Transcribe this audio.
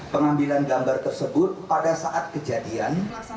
pengambilan gambar tersebut pada saat kejadian